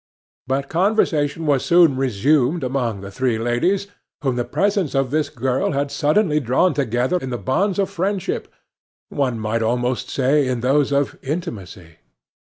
But conversation was soon resumed among the three ladies, whom the presence of this girl had suddenly drawn together in the bonds of friendship one might almost say in those of intimacy.